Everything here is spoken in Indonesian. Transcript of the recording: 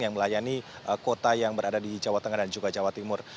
yang melayani kota yang berada di jawa tengah dan juga jawa timur